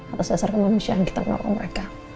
atas dasar kemanusiaan kita menolak mereka